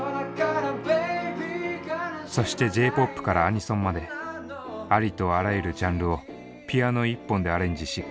そしてＪーＰＯＰからアニソンまでありとあらゆるジャンルをピアノ１本でアレンジしカバー。